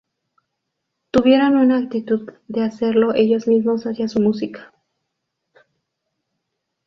Tuvieron una actitud de hacerlo ellos mismos hacia su música.